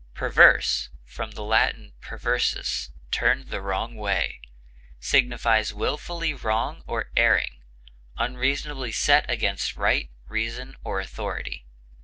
Perverse (L. perversus, turned the wrong way) signifies wilfully wrong or erring, unreasonably set against right, reason, or authority.